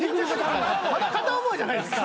また片思いじゃないですか。